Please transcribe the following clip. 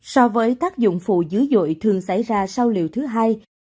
so với tác dụng phụ dữ dội thường xảy ra sau liệu thứ hai